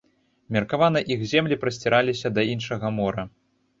Меркавана іх землі прасціраліся да іншага мора.